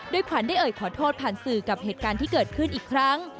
ขวัญได้เอ่ยขอโทษผ่านสื่อกับเหตุการณ์ที่เกิดขึ้นอีกครั้ง